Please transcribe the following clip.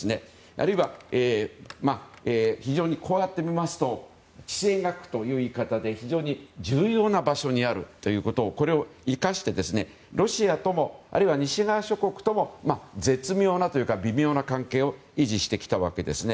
あるいは、こういって見ますと地政学という言い方で非常に重要な場所にあることを生かしてロシアともあるいは西側諸国とも絶妙なというか微妙な関係を維持してきたわけですね。